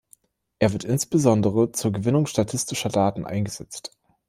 Er wird insbesondere zur Gewinnung statistischer Daten eingesetzt.